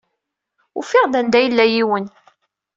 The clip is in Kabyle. Ufiɣ-d anda yella yiwen.